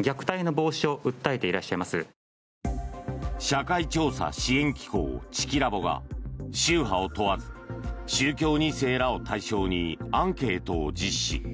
社会調査支援機構チキラボが宗派を問わず宗教２世らを対象にアンケートを実施。